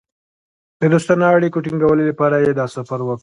د دوستانه اړیکو ټینګولو لپاره یې دا سفر وکړ.